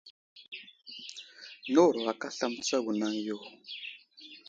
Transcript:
Nəwuro aka aslam mətsago anaŋ yo.